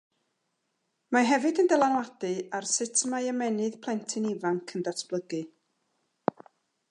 Mae hefyd yn dylanwadu ar sut mae ymennydd plentyn ifanc yn datblygu.